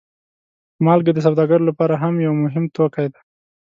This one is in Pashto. مالګه د سوداګرو لپاره هم یو مهم توکی دی.